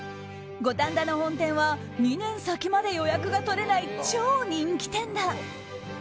五反田の本店は２年先まで予約が取れない超人気店だ。